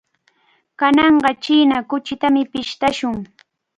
Kananqa china kuchitami pishtashun.